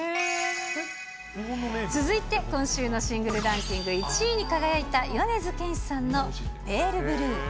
続いて、今週のシングルランキング１位に輝いた米津玄師さんのペール・ブルー。